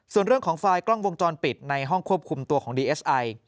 ส่วนเรื่องของไฟล์กล้องวงจรปิดในห้องควบคุมตัวของดีเอสไอ